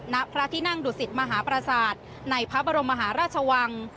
ณพระที่นั่งดุสิตมหาประสาทในพระบรมมหาราชวัง